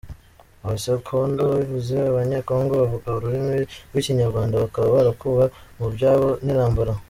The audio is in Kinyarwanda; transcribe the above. Aba Secondo bivuze abanyekongo bavuga urulimi rw’ikinyarwanda bakaba barakuwe mu byabo n’intambara.